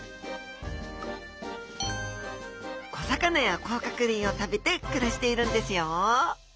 小魚や甲殻類を食べて暮らしているんですよ